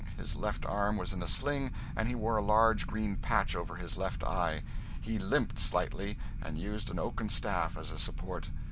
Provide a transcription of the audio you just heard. His left arm was in a sling, and he wore a large green patch over his left eye; he limped slightly, and used an oaken staff as a support.